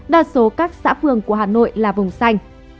đa số các xã phường của hà nội là vùng xanh